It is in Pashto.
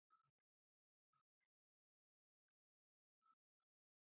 دا مقدس ځای په هر کونج کې ښکلی و.